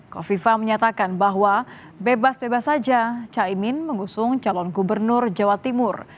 kofifa menyatakan bahwa bebas bebas saja caimin mengusung calon gubernur jawa timur